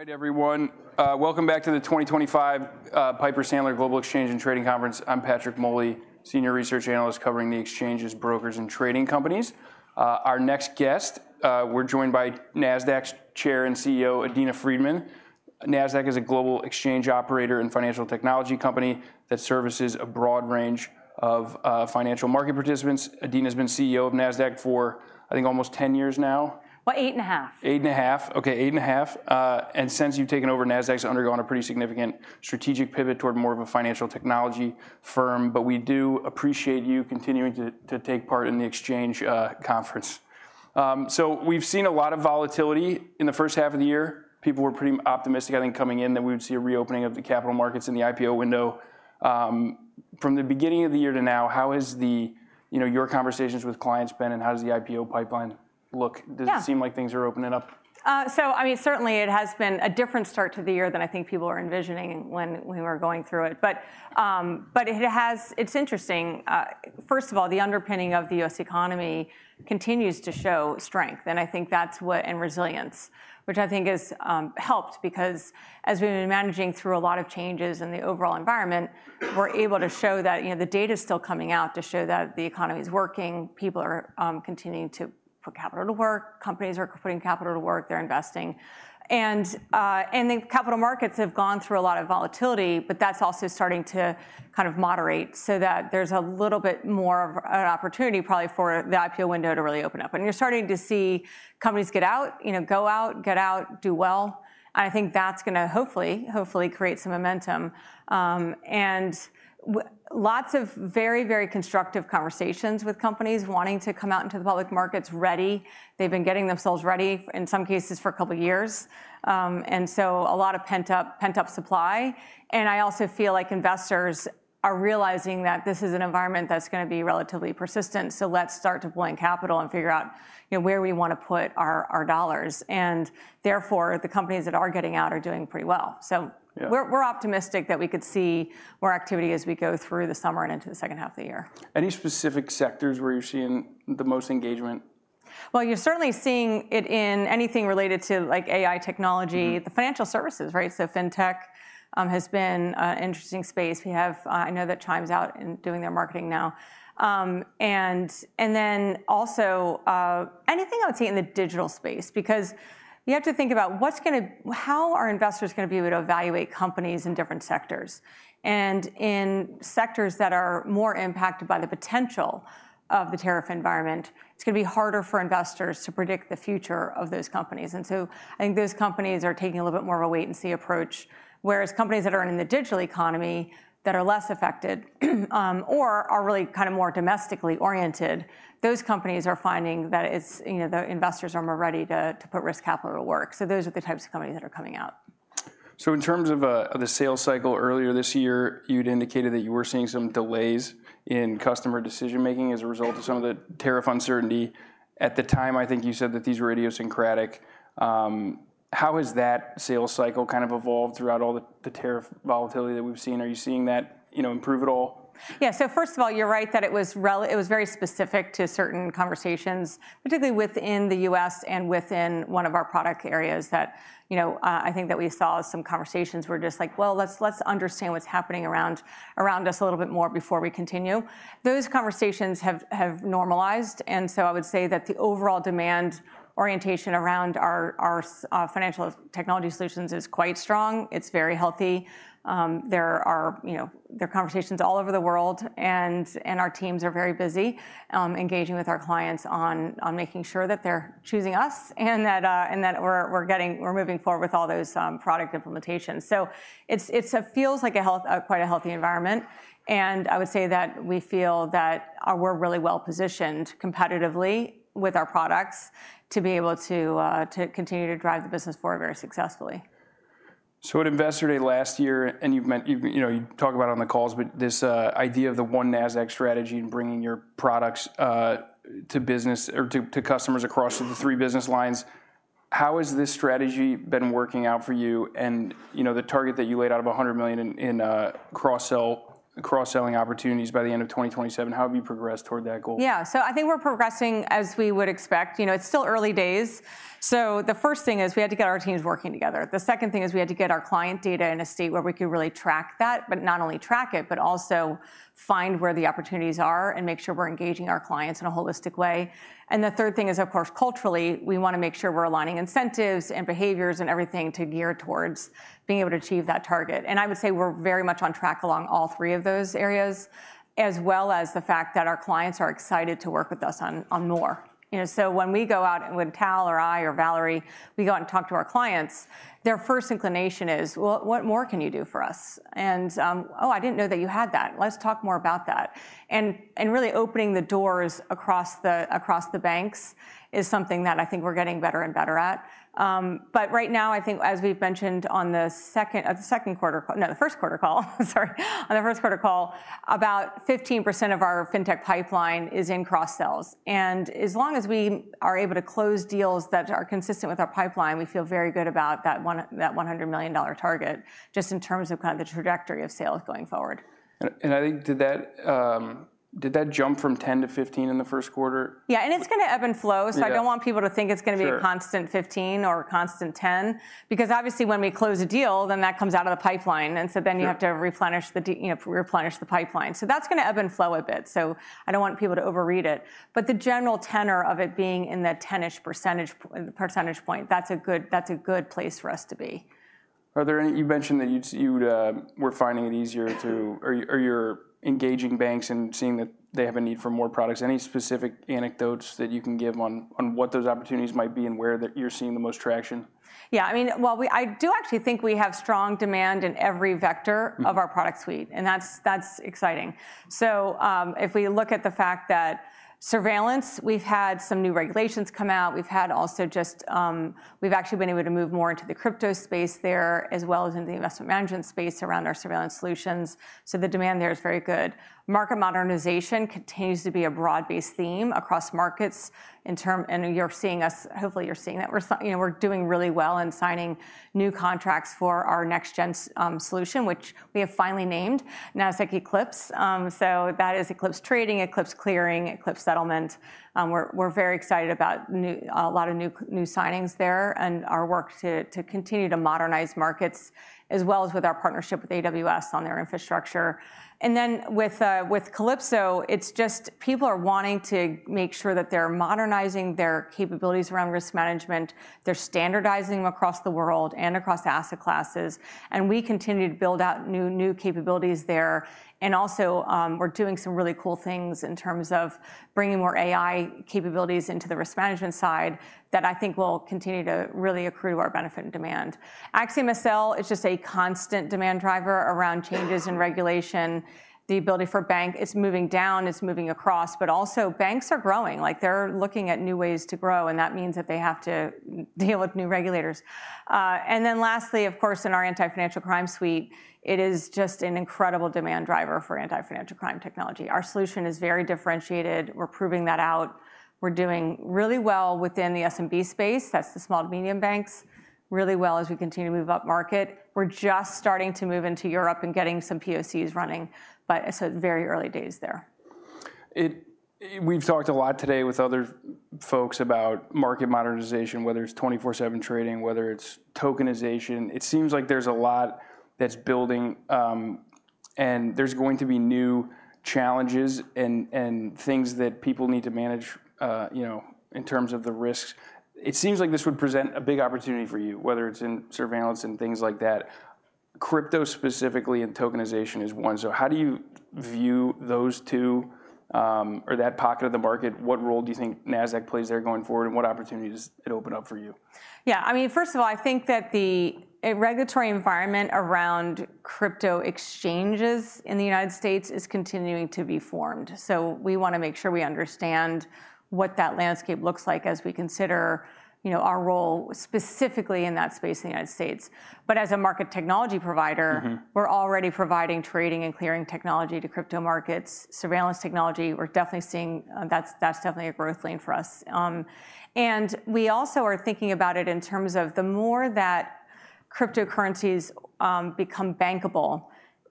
All right, everyone. Welcome back to the 2025 Piper Sandler Global Exchange and Trading Conference. I'm Patrick Moley, Senior Research Analyst covering the exchanges, brokers, and trading companies. Our next guest, we're joined by Nasdaq's Chair and CEO, Adena Friedman. Nasdaq is a global exchange operator and financial technology company that services a broad range of financial market participants. Adena has been CEO of Nasdaq for, I think, almost ten years now. Eight and a half. Eight and a half. Okay, eight and a half. Since you've taken over, Nasdaq's undergone a pretty significant strategic pivot toward more of a financial technology firm. We do appreciate you continuing to take part in the exchange conference. We've seen a lot of volatility in the first half of the year. People were pretty optimistic, I think, coming in that we would see a reopening of the capital markets in the IPO window. From the beginning of the year to now, how has your conversations with clients been and how does the IPO pipeline look? Does it seem like things are opening up? I mean, certainly it has been a different start to the year than I think people are envisioning when we were going through it. It has—it's interesting. First of all, the underpinning of the U.S. economy continues to show strength. I think that's what—and resilience, which I think has helped because as we've been managing through a lot of changes in the overall environment, we're able to show that the data is still coming out to show that the economy is working. People are continuing to put capital to work. Companies are putting capital to work. They're investing. The capital markets have gone through a lot of volatility, but that's also starting to kind of moderate so that there's a little bit more of an opportunity probably for the IPO window to really open up. You're starting to see companies go out, do well. I think that's going to hopefully create some momentum. Lots of very, very constructive conversations with companies wanting to come out into the public markets ready. They've been getting themselves ready in some cases for a couple of years. A lot of pent-up supply. I also feel like investors are realizing that this is an environment that's going to be relatively persistent. Let's start to blend capital and figure out where we want to put our dollars. Therefore, the companies that are getting out are doing pretty well. We're optimistic that we could see more activity as we go through the summer and into the second half of the year. Any specific sectors where you're seeing the most engagement? You're certainly seeing it in anything related to AI technology, the financial services, right? So fintech has been an interesting space. We have—I know that Chime's out in doing their marketing now. And then also anything I would say in the digital space because you have to think about what's going to—how are investors going to be able to evaluate companies in different sectors? In sectors that are more impacted by the potential of the tariff environment, it's going to be harder for investors to predict the future of those companies. I think those companies are taking a little bit more of a wait-and-see approach, whereas companies that are in the digital economy that are less affected or are really kind of more domestically oriented, those companies are finding that the investors are more ready to put risk capital to work. Those are the types of companies that are coming out. In terms of the sales cycle earlier this year, you'd indicated that you were seeing some delays in customer decision-making as a result of some of the tariff uncertainty. At the time, I think you said that these were idiosyncratic. How has that sales cycle kind of evolved throughout all the tariff volatility that we've seen? Are you seeing that improve at all? Yeah. First of all, you're right that it was very specific to certain conversations, particularly within the U.S. and within one of our product areas that I think that we saw as some conversations were just like, well, let's understand what's happening around us a little bit more before we continue. Those conversations have normalized. I would say that the overall demand orientation around our financial technology solutions is quite strong. It's very healthy. There are conversations all over the world, and our teams are very busy engaging with our clients on making sure that they're choosing us and that we're moving forward with all those product implementations. It feels like quite a healthy environment. I would say that we feel that we're really well positioned competitively with our products to be able to continue to drive the business forward very successfully. At Investor Day last year, and you talk about on the calls, but this idea of the One Nasdaq strategy and bringing your products to business or to customers across the three business lines, how has this strategy been working out for you? The target that you laid out of $100 million in cross-selling opportunities by the end of 2027, how have you progressed toward that goal? Yeah. I think we're progressing as we would expect. It's still early days. The first thing is we had to get our teams working together. The second thing is we had to get our client data in a state where we could really track that, but not only track it, but also find where the opportunities are and make sure we're engaging our clients in a holistic way. The third thing is, of course, culturally, we want to make sure we're aligning incentives and behaviors and everything to gear towards being able to achieve that target. I would say we're very much on track along all three of those areas, as well as the fact that our clients are excited to work with us on more. When we go out with Tal or I or Valerie, we go out and talk to our clients, their first inclination is, well, what more can you do for us? Oh, I did not know that you had that. Let's talk more about that. Really opening the doors across the banks is something that I think we are getting better and better at. Right now, I think, as we have mentioned on the second quarter—no, the first quarter call, sorry—on the first quarter call, about 15% of our fintech pipeline is in cross-sales. As long as we are able to close deals that are consistent with our pipeline, we feel very good about that $100 million target just in terms of kind of the trajectory of sales going forward. I think did that jump from 10 to 15 in the first quarter? Yeah. It's going to ebb and flow. I don't want people to think it's going to be a constant 15 or a constant 10 because obviously when we close a deal, that comes out of the pipeline. You have to replenish the pipeline, so that's going to ebb and flow a bit. I don't want people to overread it. The general tenor of it being in the 10% range, that's a good place for us to be. You mentioned that you were finding it easier to—or you're engaging banks and seeing that they have a need for more products. Any specific anecdotes that you can give on what those opportunities might be and where you're seeing the most traction? Yeah. I mean, I do actually think we have strong demand in every vector of our product suite. That is exciting. If we look at the fact that surveillance, we've had some new regulations come out. We've also just—we've actually been able to move more into the crypto space there as well as in the investment management space around our surveillance solutions. The demand there is very good. Market modernization continues to be a broad-based theme across markets. You're seeing us—hopefully you're seeing that we're doing really well in signing new contracts for our next-gen solution, which we have finally named Nasdaq Eclipse. That is Eclipse Trading, Eclipse Clearing, Eclipse Settlement. We're very excited about a lot of new signings there and our work to continue to modernize markets as well as with our partnership with AWS on their infrastructure. With Calypso, it's just people are wanting to make sure that they're modernizing their capabilities around risk management, they're standardizing them across the world and across asset classes. We continue to build out new capabilities there. Also, we're doing some really cool things in terms of bringing more AI capabilities into the risk management side that I think will continue to really accrue to our benefit and demand. AxiomSL is just a constant demand driver around changes in regulation. The ability for bank is moving down, is moving across, but also banks are growing. They're looking at new ways to grow. That means that they have to deal with new regulators. Lastly, of course, in our anti-financial crime suite, it is just an incredible demand driver for anti-financial crime technology. Our solution is very differentiated. We're proving that out. We're doing really well within the SMB space. That's the small to medium banks. Really well as we continue to move up market. We're just starting to move into Europe and getting some POCs running. Very early days there. We've talked a lot today with other folks about market modernization, whether it's 24/7 trading, whether it's tokenization. It seems like there's a lot that's building. There are going to be new challenges and things that people need to manage in terms of the risks. It seems like this would present a big opportunity for you, whether it's in surveillance and things like that. Crypto specifically and tokenization is one. How do you view those two or that pocket of the market? What role do you think Nasdaq plays there going forward? What opportunities does it open up for you? Yeah. I mean, first of all, I think that the regulatory environment around crypto exchanges in the United States is continuing to be formed. We want to make sure we understand what that landscape looks like as we consider our role specifically in that space in the United States. As a market technology provider, we're already providing trading and clearing technology to crypto markets. Surveillance technology, we're definitely seeing that's definitely a growth lane for us. We also are thinking about it in terms of the more that cryptocurrencies become bankable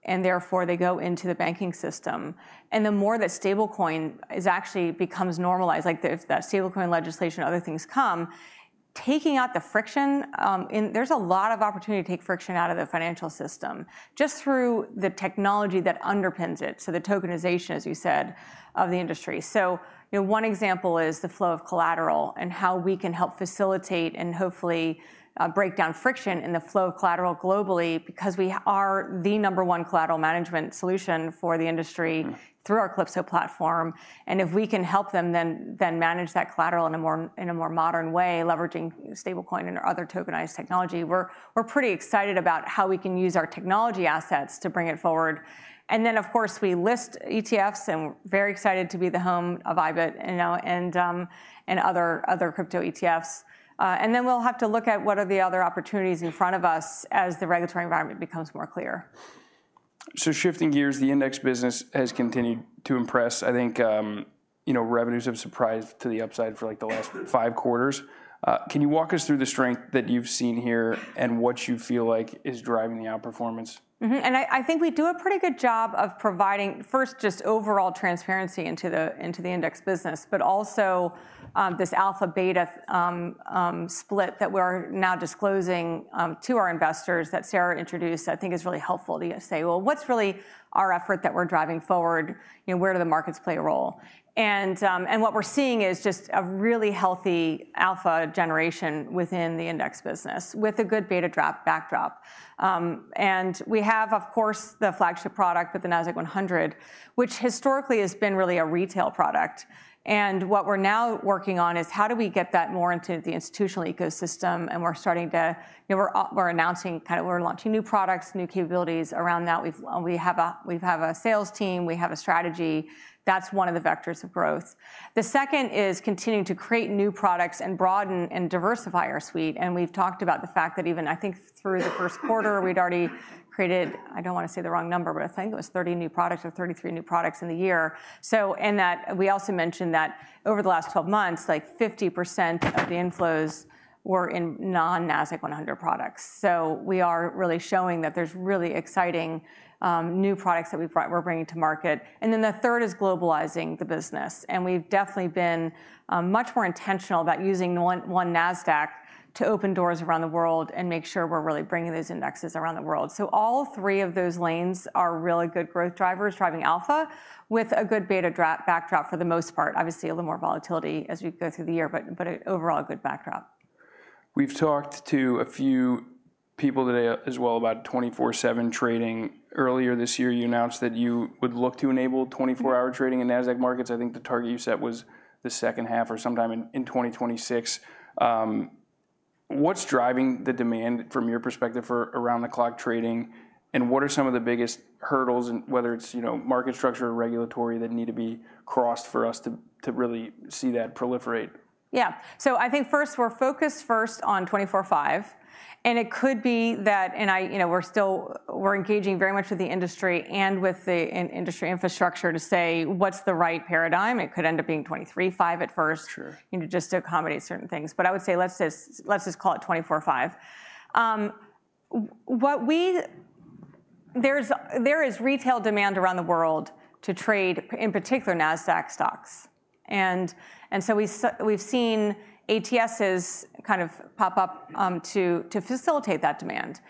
and therefore they go into the banking system, and the more that stablecoin actually becomes normalized, like that stablecoin legislation, other things come, taking out the friction. There's a lot of opportunity to take friction out of the financial system just through the technology that underpins it. The tokenization, as you said, of the industry. One example is the flow of collateral and how we can help facilitate and hopefully break down friction in the flow of collateral globally because we are the number one collateral management solution for the industry through our Calypso platform. If we can help them then manage that collateral in a more modern way, leveraging stablecoin and other tokenized technology, we're pretty excited about how we can use our technology assets to bring it forward. Of course, we list ETFs and we're very excited to be the home of IBIT and other crypto ETFs. We will have to look at what are the other opportunities in front of us as the regulatory environment becomes more clear. Shifting gears, the index business has continued to impress. I think revenues have surprised to the upside for the last five quarters. Can you walk us through the strength that you've seen here and what you feel like is driving the outperformance? I think we do a pretty good job of providing, first, just overall transparency into the index business, but also this alpha beta split that we're now disclosing to our investors that Sarah introduced, I think is really helpful to say, well, what's really our effort that we're driving forward? Where do the markets play a role? What we're seeing is just a really healthy alpha generation within the index business with a good beta drop backdrop. We have, of course, the flagship product with the Nasdaq-100, which historically has been really a retail product. What we're now working on is how do we get that more into the institutional ecosystem? We're starting to, we're announcing kind of we're launching new products, new capabilities around that. We have a sales team. We have a strategy. That's one of the vectors of growth. The second is continuing to create new products and broaden and diversify our suite. We've talked about the fact that even, I think, through the first quarter, we'd already created, I don't want to say the wrong number, but I think it was 30 new products or 33 new products in the year. We also mentioned that over the last 12 months, like 50% of the inflows were in non-Nasdaq-100 products. We are really showing that there's really exciting new products that we're bringing to market. The third is globalizing the business. We've definitely been much more intentional about using One Nasdaq to open doors around the world and make sure we're really bringing those indexes around the world. All three of those lanes are really good growth drivers, driving alpha with a good beta drop backdrop for the most part. Obviously, a little more volatility as we go through the year, but overall a good backdrop. We've talked to a few people today as well about 24/7 trading. Earlier this year, you announced that you would look to enable 24-hour trading in Nasdaq markets. I think the target you set was the second half or sometime in 2026. What's driving the demand from your perspective for around-the-clock trading? What are some of the biggest hurdles, whether it's market structure or regulatory, that need to be crossed for us to really see that proliferate? Yeah. So I think first we're focused first on 24/5. It could be that, and we're engaging very much with the industry and with the industry infrastructure to say what's the right paradigm. It could end up being 23/5 at first just to accommodate certain things. I would say let's just call it 24/5. There is retail demand around the world to trade, in particular, Nasdaq stocks. We've seen ATSs kind of pop up to facilitate that demand.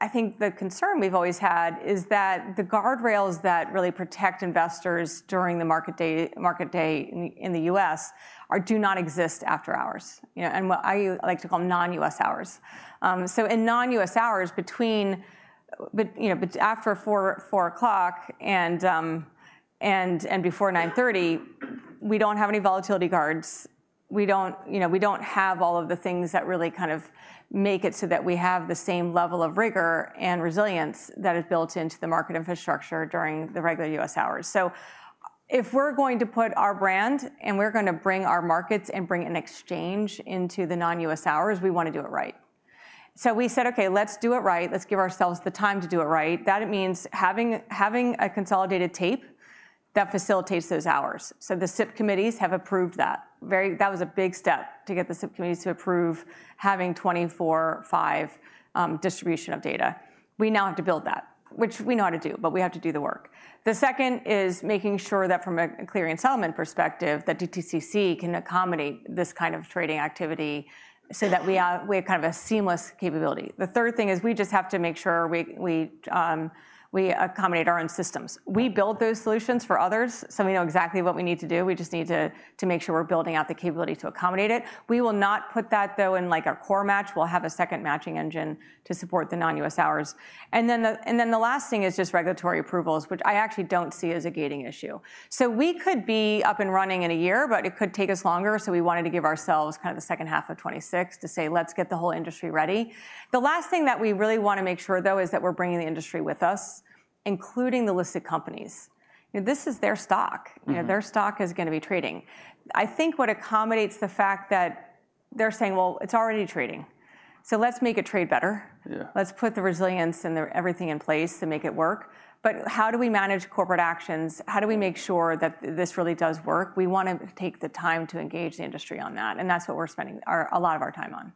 I think the concern we've always had is that the guardrails that really protect investors during the market day in the U.S. do not exist after hours. I like to call them non-U.S. hours. In non-U.S. hours, between after 4:00 P.M. and before 9:30 A.M., we don't have any volatility guards. We do not have all of the things that really kind of make it so that we have the same level of rigor and resilience that is built into the market infrastructure during the regular U.S. hours. If we are going to put our brand and we are going to bring our markets and bring an exchange into the non-U.S. hours, we want to do it right. We said, okay, let's do it right. Let's give ourselves the time to do it right. That means having a consolidated tape that facilitates those hours. The SIP committees have approved that. That was a big step to get the SIP committees to approve having 24/5 distribution of data. We now have to build that, which we know how to do, but we have to do the work. The second is making sure that from a clearing and settlement perspective, that DTCC can accommodate this kind of trading activity so that we have kind of a seamless capability. The third thing is we just have to make sure we accommodate our own systems. We build those solutions for others. So we know exactly what we need to do. We just need to make sure we're building out the capability to accommodate it. We will not put that, though, in our core match. We'll have a second matching engine to support the non-U.S. hours. The last thing is just regulatory approvals, which I actually do not see as a gating issue. We could be up and running in a year, but it could take us longer. We wanted to give ourselves kind of the second half of 2026 to say, let's get the whole industry ready. The last thing that we really want to make sure, though, is that we're bringing the industry with us, including the listed companies. This is their stock. Their stock is going to be trading. I think what accommodates the fact that they're saying, well, it's already trading. Let's make it trade better. Let's put the resilience and everything in place to make it work. How do we manage corporate actions? How do we make sure that this really does work? We want to take the time to engage the industry on that. That's what we're spending a lot of our time on.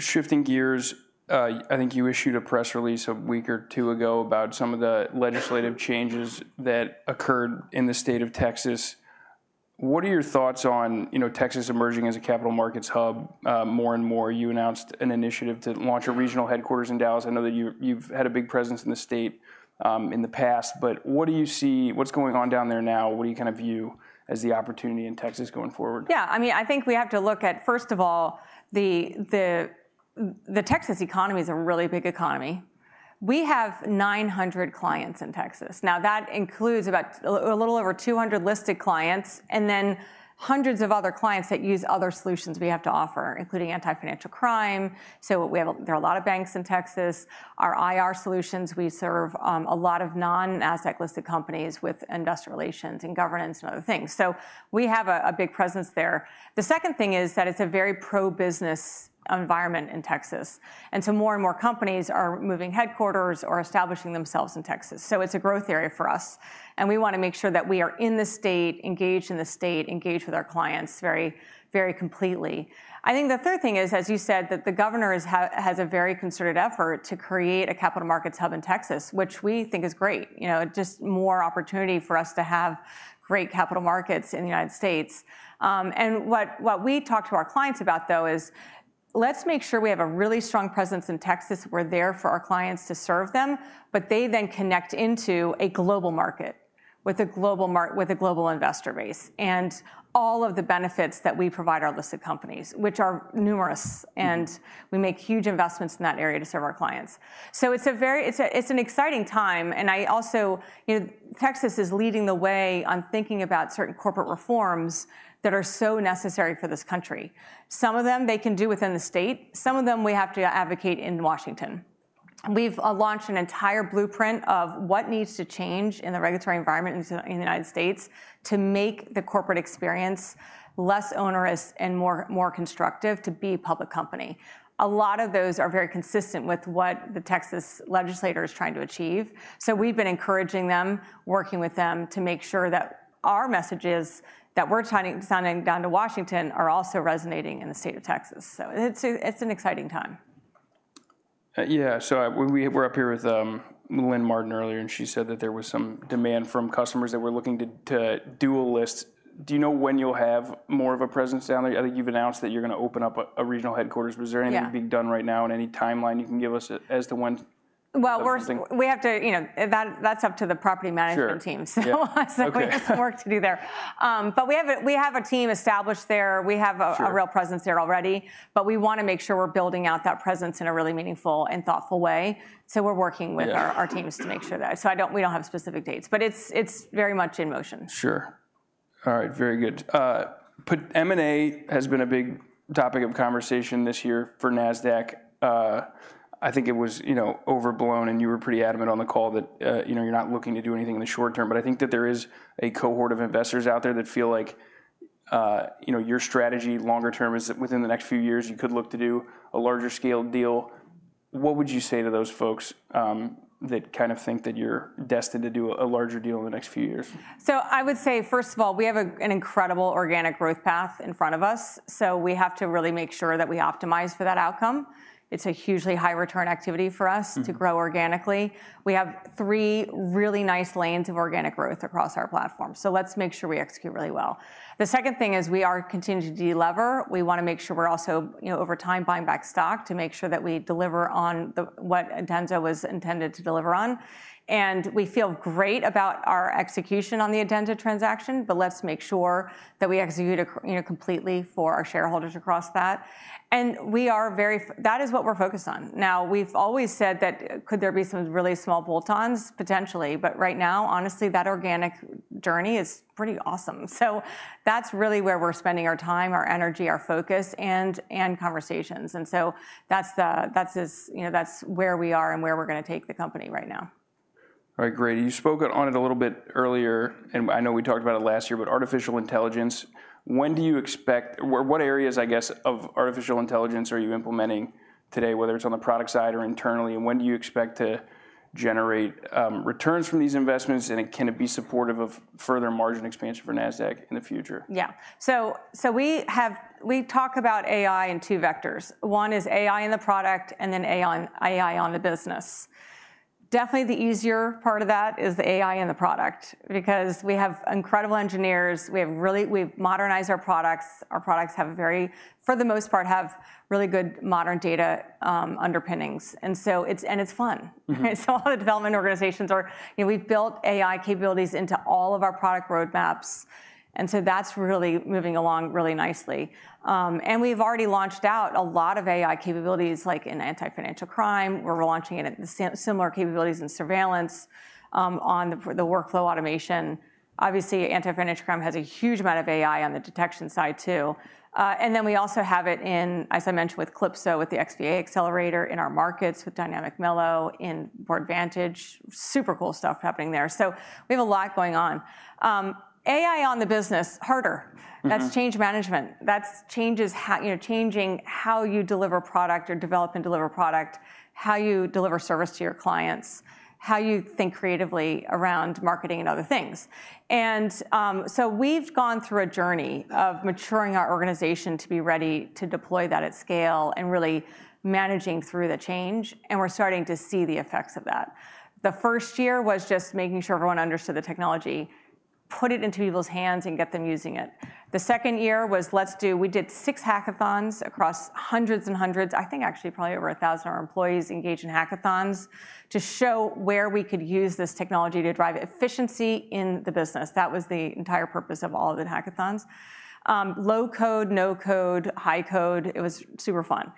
Shifting gears, I think you issued a press release a week or two ago about some of the legislative changes that occurred in the state of Texas. What are your thoughts on Texas emerging as a capital markets hub more and more? You announced an initiative to launch a regional headquarters in Dallas. I know that you've had a big presence in the state in the past, but what do you see? What's going on down there now? What do you kind of view as the opportunity in Texas going forward? Yeah. I mean, I think we have to look at, first of all, the Texas economy is a really big economy. We have 900 clients in Texas. Now, that includes about a little over 200 listed clients and then hundreds of other clients that use other solutions we have to offer, including anti-financial crime. There are a lot of banks in Texas. Our IR solutions, we serve a lot of non-Nasdaq listed companies with investor relations and governance and other things. We have a big presence there. The second thing is that it is a very pro-business environment in Texas. More and more companies are moving headquarters or establishing themselves in Texas. It is a growth area for us. We want to make sure that we are in the state, engaged in the state, engaged with our clients very completely. I think the third thing is, as you said, that the governor has a very concerted effort to create a capital markets hub in Texas, which we think is great. Just more opportunity for us to have great capital markets in the United States. What we talk to our clients about, though, is let's make sure we have a really strong presence in Texas. We're there for our clients to serve them, but they then connect into a global market with a global investor base and all of the benefits that we provide our listed companies, which are numerous. We make huge investments in that area to serve our clients. It is an exciting time. I also, Texas is leading the way on thinking about certain corporate reforms that are so necessary for this country. Some of them they can do within the state. Some of them we have to advocate in Washington. We've launched an entire blueprint of what needs to change in the regulatory environment in the United States to make the corporate experience less onerous and more constructive to be a public company. A lot of those are very consistent with what the Texas legislator is trying to achieve. We have been encouraging them, working with them to make sure that our messages that we're sending down to Washington are also resonating in the state of Texas. It is an exciting time. Yeah. So we were up here with Lynn Martin earlier, and she said that there was some demand from customers that were looking to dual list. Do you know when you'll have more of a presence down there? I think you've announced that you're going to open up a regional headquarters. Was there anything being done right now and any timeline you can give us as to when? We have to, that's up to the property management teams. We have some work to do there. We have a team established there. We have a real presence there already. We want to make sure we're building out that presence in a really meaningful and thoughtful way. We're working with our teams to make sure that. We don't have specific dates, but it's very much in motion. Sure. All right. Very good. M&A has been a big topic of conversation this year for Nasdaq. I think it was overblown, and you were pretty adamant on the call that you're not looking to do anything in the short term. I think that there is a cohort of investors out there that feel like your strategy longer term is that within the next few years, you could look to do a larger scale deal. What would you say to those folks that kind of think that you're destined to do a larger deal in the next few years? I would say, first of all, we have an incredible organic growth path in front of us. We have to really make sure that we optimize for that outcome. It's a hugely high return activity for us to grow organically. We have three really nice lanes of organic growth across our platform. Let's make sure we execute really well. The second thing is we are continuing to de-lever. We want to make sure we're also over time buying back stock to make sure that we deliver on what Adenza was intended to deliver on. We feel great about our execution on the Adenza transaction, but let's make sure that we execute completely for our shareholders across that. That is what we're focused on. Now, we've always said that could there be some really small bolt-ons potentially, but right now, honestly, that organic journey is pretty awesome. That's really where we're spending our time, our energy, our focus, and conversations. That's where we are and where we're going to take the company right now. All right. Great. You spoke on it a little bit earlier, and I know we talked about it last year, but artificial intelligence. When do you expect, or what areas, I guess, of artificial intelligence are you implementing today, whether it's on the product side or internally? When do you expect to generate returns from these investments? Can it be supportive of further margin expansion for Nasdaq in the future? Yeah. We talk about AI in two vectors. One is AI in the product and then AI on the business. Definitely the easier part of that is the AI in the product because we have incredible engineers. We've modernized our products. Our products, for the most part, have really good modern data underpinnings. It's fun. All the development organizations are, we've built AI capabilities into all of our product roadmaps. That's really moving along really nicely. We've already launched out a lot of AI capabilities, like in anti-financial crime. We're launching similar capabilities in surveillance on the workflow automation. Obviously, anti-financial crime has a huge amount of AI on the detection side too. We also have it in, as I mentioned, with Calypso, with the XVA Accelerator in our markets, with Dynamic M-ELO, in Boardvantage. Super cool stuff happening there. We have a lot going on. AI on the business, harder. That is change management. That is changing how you deliver product or develop and deliver product, how you deliver service to your clients, how you think creatively around marketing and other things. We have gone through a journey of maturing our organization to be ready to deploy that at scale and really managing through the change. We are starting to see the effects of that. The first year was just making sure everyone understood the technology, put it into people's hands, and get them using it. The second year was, let's do, we did six hackathons across hundreds and hundreds. I think actually probably over 1,000 of our employees engaged in hackathons to show where we could use this technology to drive efficiency in the business. That was the entire purpose of all of the hackathons. Low code, no code, high code. It was super fun.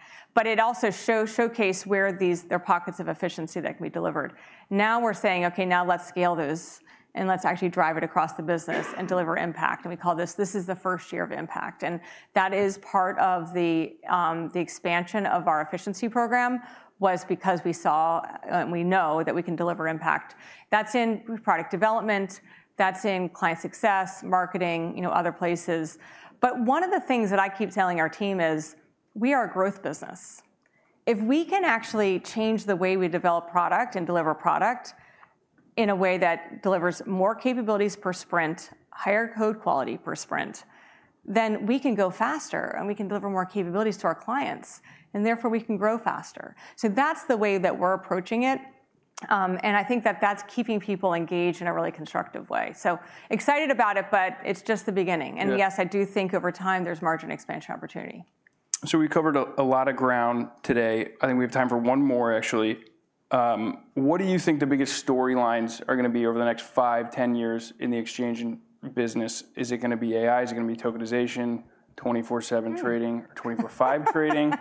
It also showcased where there are pockets of efficiency that can be delivered. Now we're saying, okay, now let's scale this and let's actually drive it across the business and deliver impact. We call this, this is the first year of impact. That is part of the expansion of our efficiency program because we saw and we know that we can deliver impact. That's in product development. That's in client success, marketing, other places. One of the things that I keep telling our team is we are a growth business. If we can actually change the way we develop product and deliver product in a way that delivers more capabilities per sprint, higher code quality per sprint, then we can go faster and we can deliver more capabilities to our clients. Therefore, we can grow faster. That is the way that we are approaching it. I think that is keeping people engaged in a really constructive way. I am excited about it, but it is just the beginning. Yes, I do think over time there is margin expansion opportunity. We covered a lot of ground today. I think we have time for one more, actually. What do you think the biggest storylines are going to be over the next five, 10 years in the exchange business? Is it going to be AI? Is it going to be tokenization, 24/7 trading, 24/5 trading?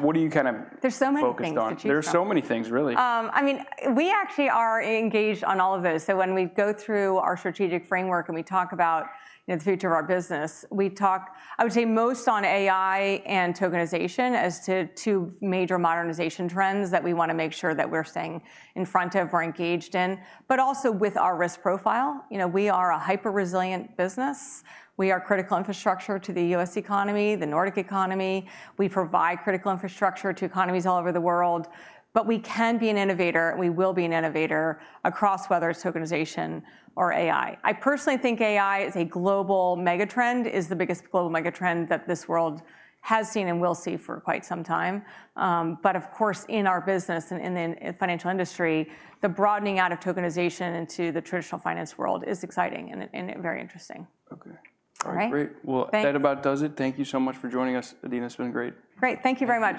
What are you kind of focused on? There's so many things to choose from. There's so many things, really. I mean, we actually are engaged on all of those. When we go through our strategic framework and we talk about the future of our business, we talk, I would say most on AI and tokenization as two major modernization trends that we want to make sure that we're staying in front of, we're engaged in, but also with our risk profile. We are a hyper-resilient business. We are critical infrastructure to the U.S. economy, the Nordic economy. We provide critical infrastructure to economies all over the world. We can be an innovator, and we will be an innovator across whether it's tokenization or AI. I personally think AI is a global mega trend, is the biggest global mega trend that this world has seen and will see for quite some time. Of course, in our business and in the financial industry, the broadening out of tokenization into the traditional finance world is exciting and very interesting. Okay. All right. Great. That about does it. Thank you so much for joining us, Adena. It's been great. Great. Thank you very much.